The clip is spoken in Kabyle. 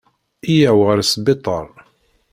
Yya-w ɣer sbiṭar.